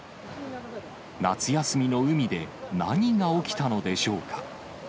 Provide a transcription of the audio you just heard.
夏休みの海で何が起きたのでしょうか。